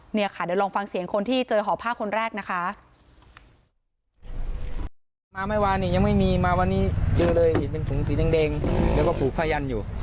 เนี่ยค่ะเดี๋ยวลองฟังเสียงคนที่เจอห่อผ้าคนแรกนะคะ